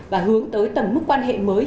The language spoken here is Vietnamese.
và hướng tới tầm mức quan hệ mới